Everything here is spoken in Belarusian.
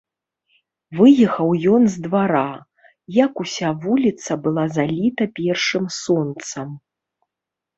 Выехаў ён з двара, як уся вуліца была заліта першым сонцам.